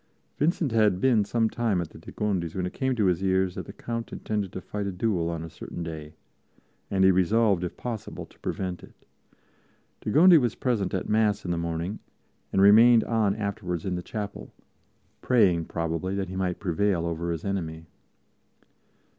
Vincent had been some time at the de Gondis' when it came to his ears that the Count intended to fight a duel on a certain day, and he resolved, if possible, to prevent it. De Gondi was present at Mass in the morning and remained on afterwards in the chapel, praying, probably, that he might prevail over his enemy.